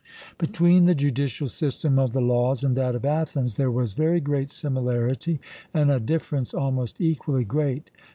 Between the judicial system of the Laws and that of Athens there was very great similarity, and a difference almost equally great.